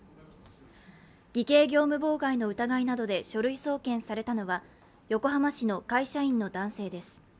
偽計業務妨害の疑いなどで書類送検されたのは横浜市の会社員の男性です。